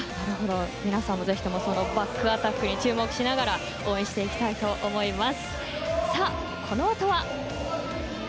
皆さんもぜひバックアタックに注目しながら応援していきたいと思います。